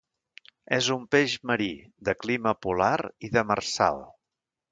És un peix marí, de clima polar i demersal.